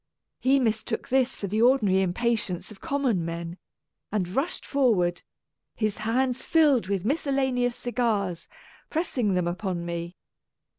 He mistook this for the ordinary impatience of common men, and rushed forward, his hands filled with miscellaneous cigars, press ing them upon me.